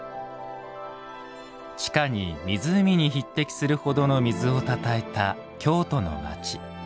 地下に湖に匹敵するほどの水をたたえた京都の街。